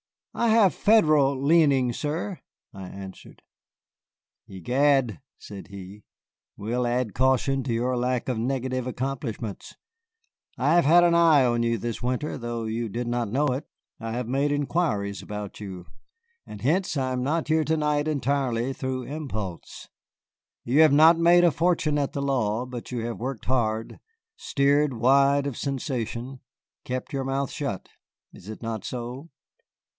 "I have Federal leanings, sir," I answered "Egad," said he, "we'll add caution to your lack of negative accomplishments. I have had an eye on you this winter, though you did not know it. I have made inquiries about you, and hence I am not here to night entirely through impulse. You have not made a fortune at the law, but you have worked hard, steered wide of sensation, kept your mouth shut. Is it not so?"